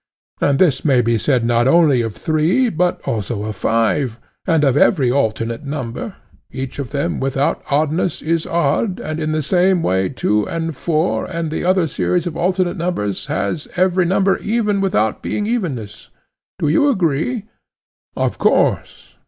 and this may be said not only of three but also of five, and of every alternate number—each of them without being oddness is odd, and in the same way two and four, and the other series of alternate numbers, has every number even, without being evenness. Do you agree? Of course.